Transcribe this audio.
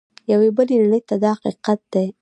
یوې بلې نړۍ ته دا حقیقت دی.